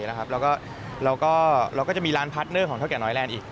แล้วก็จะมีร้านแพทเนอร์ของเท่าแก่น้อยแลนด์อีก